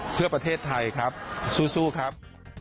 เพื่อประเทศไทยครับสู้ครับ